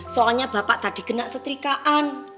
soalnya bapak tadi kena setrikaan